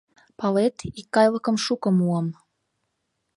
Палет, икгайлыкым шуко муым.